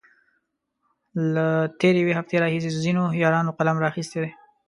له تېرې يوې هفتې راهيسې ځينو يارانو قلم را اخستی دی.